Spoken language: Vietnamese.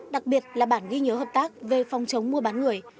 đặc biệt là bản ghi nhớ hợp tác về phòng chống mua bán người